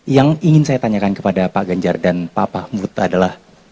yang ingin saya tanyakan kepada pak ganjar dan pak mahfud adalah